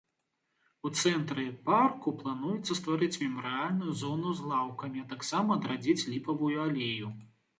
У цэнтры парку плануецца стварыць мемарыяльную зону з лаўкамі, а таксама адрадзіць ліпавую алею.